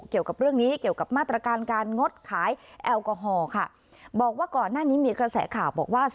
เกี่ยวกับเรื่องนี้เกี่ยวกับมาตรการการงดขายแอลกอฮอล์ค่ะบอกว่าก่อนหน้านี้มีกระแสข่าวบอกว่า